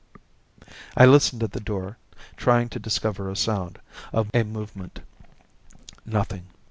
I listened at the door, trying to discover a sound, a movement. Nothing.